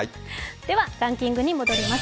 ではランキングに戻ります。